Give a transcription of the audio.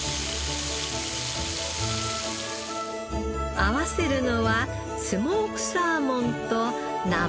合わせるのはスモークサーモンと生ハム。